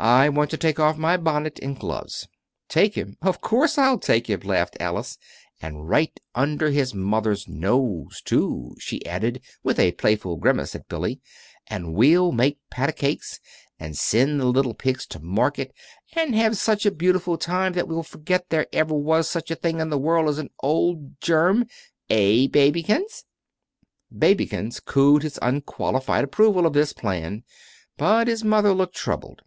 I want to take off my bonnet and gloves." "Take him? Of course I'll take him," laughed Alice; "and right under his mother's nose, too," she added, with a playful grimace at Billy. "And we'll make pat a cakes, and send the little pigs to market, and have such a beautiful time that we'll forget there ever was such a thing in the world as an old germ. Eh, babykins?" "Babykins" cooed his unqualified approval of this plan; but his mother looked troubled.